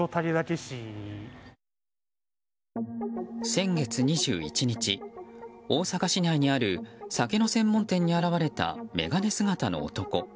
先月２１日、大阪市内にある酒の専門店に現れた眼鏡姿の男。